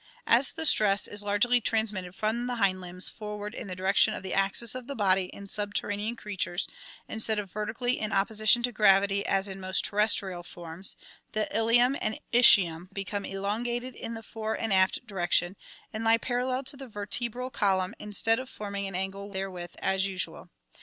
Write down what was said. As the stress is largely transmitted from the hind limbs forward in the direction of the axis of the body in subterranean creatures instead of vertically in opposition to gravity as in most terrestrial forms, the ilium and ischium have become elongated in the fore and aft direction and lie parallel to the vertebral column instead of forming an angle therewith as usual.